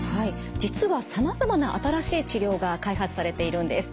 実はさまざまな新しい治療が開発されているんです。